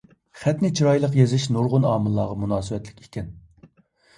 خەتنى چىرايلىق يېزىش نۇرغۇن ئامىللارغا مۇناسىۋەتلىك ئىكەن.